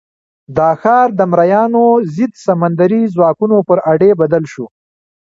دا ښار د مریانو ضد سمندري ځواکونو پر اډې بدل شو.